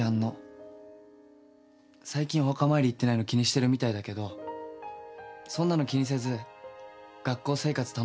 最近お墓参り行ってないの気にしてるみたいだけどそんなの気にせず学校生活楽しめってさ。